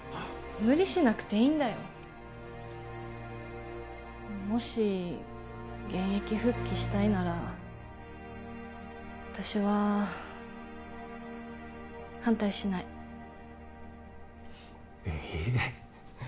無理しなくていいんだよもし現役復帰したいなら私は反対しないえっ？